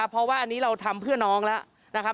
เพราะว่าอันนี้เราทำเพื่อน้องแล้วนะครับ